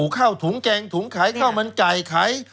ข้าวถุงแกงถุงขายข้าวมันไก่ขาย